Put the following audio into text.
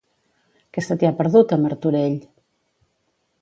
Què se t'hi ha perdut, a Martorell?